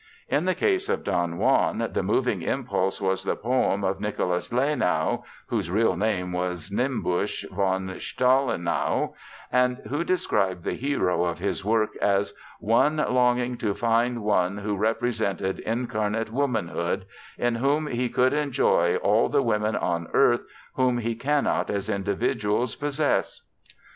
In the case of Don Juan the moving impulse was the poem of Nikolaus Lenau (whose real name was Niembsch von Strahlenau), and who described the hero of his work as "one longing to find one who represented incarnate womanhood" in whom he could enjoy "all the women on earth whom he cannot as individuals possess."